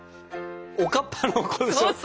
おかっぱの子でしょ？